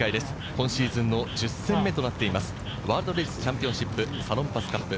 今シーズンの１０戦目となっています、ワールドレディスチャンピオンシップサロンパスカップ。